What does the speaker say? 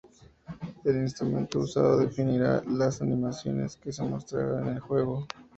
El instrumento usado definirá las animaciones que se mostrarán en el juego.